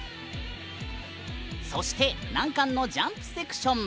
そして難関のジャンプセクション。